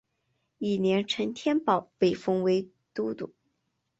翌年陈添保被封为都督。